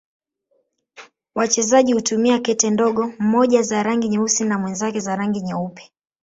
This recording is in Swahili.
Wachezaji hutumia kete ndogo, mmoja za rangi nyeusi na mwenzake za rangi nyeupe.